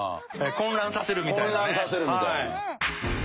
混乱させるみたいな。